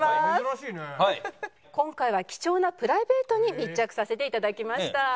今回は貴重なプライベートに密着させていただきました。